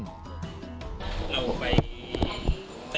เราไปเตะ